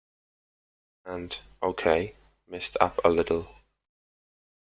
And, okay, mist up a little.